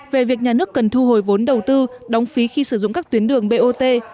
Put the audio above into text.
về việc nhà nước cần thu hồi vốn đầu tư đóng phí khi sử dụng các tuyến đường bot